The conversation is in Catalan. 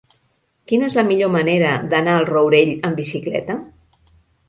Quina és la millor manera d'anar al Rourell amb bicicleta?